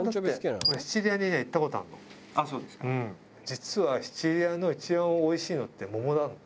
実はシチリアの一番おいしいのって桃なの。